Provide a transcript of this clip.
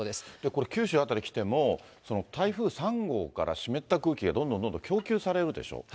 これ九州辺り来ても、その台風３号から湿った空気がどんどんどんどん供給されるでしょ。